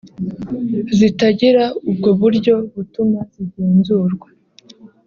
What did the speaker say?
zitagira ubwo buryo butuma zigenzurwa